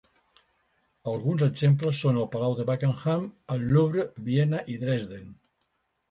Alguns exemples són el Palau de Buckingham, el Louvre, Viena i Dresden.